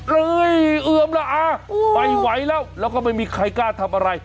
เอ้ยเอือมละอาไม่ไหวแล้วแล้วก็ไม่มีใครกล้าทำอะไร